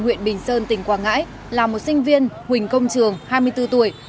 huyện bình sơn tỉnh quảng ngãi là một sinh viên huỳnh công trường hai mươi bốn tuổi